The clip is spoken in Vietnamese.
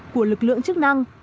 của lực lượng chức năng